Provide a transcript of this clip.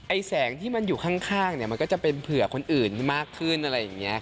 แสงที่มันอยู่ข้างเนี่ยมันก็จะเป็นเผื่อคนอื่นมากขึ้นอะไรอย่างนี้